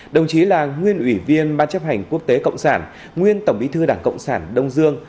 đồng chí là nguyên ủy viên ban chấp hành quốc tế cộng sản nguyên tổng bí thư đảng cộng sản đông dương